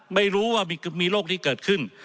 ไม่รู้ว่ามีโรคนี้เกิดขึ้น